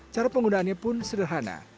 cara penggunaannya pun sederhana